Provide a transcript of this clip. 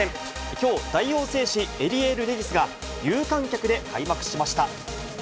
きょう、大王製紙エリエールレディスが、有観客で開幕しました。